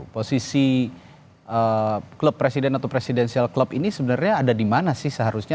posisi klub presiden atau presidensial club ini sebenarnya ada di mana sih seharusnya